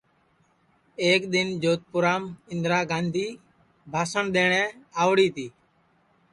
ایک دِؔن جودپُورام اِندرا گاندھی بھاسٹؔ دؔیٹؔیں آؤڑی تی